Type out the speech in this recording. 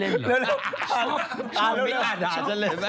อย่าเล่นเหรอ